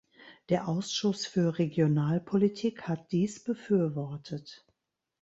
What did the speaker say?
Der Ausschuss für Regionalpolitik hat dies befürwortet.